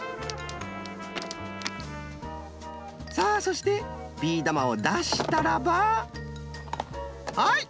さあそしてビー玉をだしたらばはい！